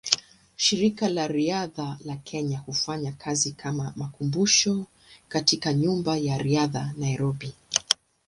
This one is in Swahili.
Shirika la Riadha la Kenya hufanya kazi kama makumbusho katika Nyumba ya Riadha, Nairobi.